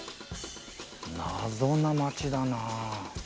謎な町だな。